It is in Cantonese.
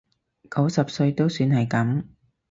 九十歲都算係噉